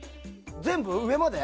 全部、上まで？